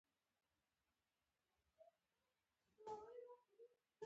د دغه علاقې